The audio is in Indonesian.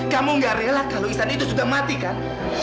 kamu nggak rela kalau ihsan itu sudah mati kan